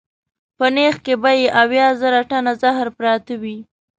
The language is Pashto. په نېښ کې به یې اویا زره ټنه زهر پراته وي.